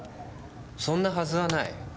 そんなはずはない。